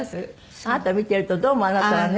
あなた見てるとどうもあなたはね。